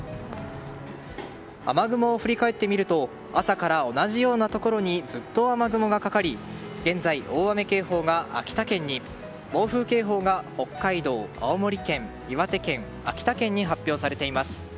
雨雲を振り返ってみると朝から同じようなところにずっと雨雲がかかり現在、大雨警報が秋田県に暴風警報が北海道、青森県岩手県、秋田県に発表されています。